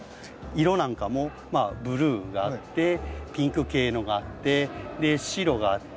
色なんかもブルーがあってピンク系のがあって白があって黄色があって。